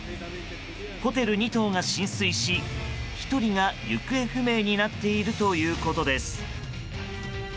ホテル２棟が浸水し１人が行方不明になっているということです。